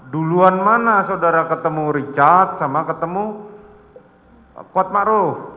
duluan mana saudara ketemu richard sama ketemu kuat ma'ruf